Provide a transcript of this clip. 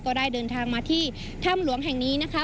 ก็ได้เดินทางมาที่ถ้ำหลวงแห่งนี้นะคะ